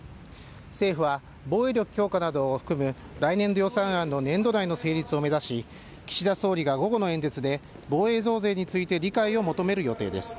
政府は防衛力強化などを含む来年度予算案の年度内の成立を目指し、岸田総理が午後の演説で防衛増税について理解を求める予定です。